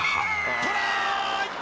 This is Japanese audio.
トライ！